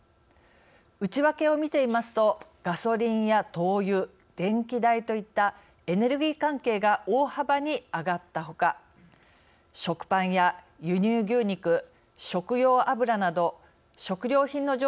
内訳を見てみますとガソリンや灯油電気代といったエネルギー関係が大幅に上がったほか食パンや輸入牛肉食用油など食料品の上昇も目立ちます。